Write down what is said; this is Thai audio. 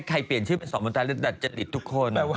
ใครเปลี่ยนชื่อเป็นสอนมนตราเลือดดัจจริตทุกคน